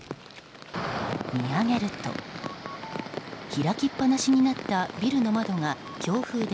見上げると開きっぱなしになったビルの窓が強風で